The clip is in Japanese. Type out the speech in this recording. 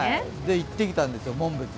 行ってきたんですよ、紋別に。